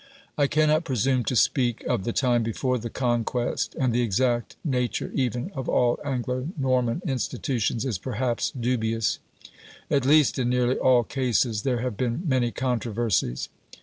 I cannot presume to speak of the time before the Conquest, and the exact nature even of all Anglo Norman institutions is perhaps dubious: at least, in nearly all cases there have been many controversies.